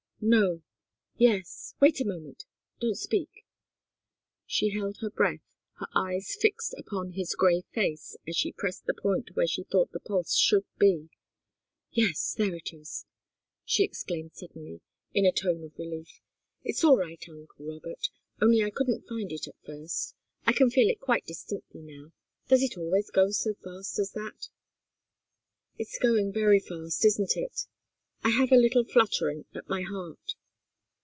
"No yes wait a moment don't speak!" She held her breath, her eyes fixed upon his grey face as she pressed the point where she thought the pulse should be. "Yes there it is!" she exclaimed suddenly, in a tone of relief. "It's all right, uncle Robert, only I couldn't find it at first. I can feel it quite distinctly now. Does it always go so fast as that?" "It's going very fast, isn't it? I have a little fluttering at my heart."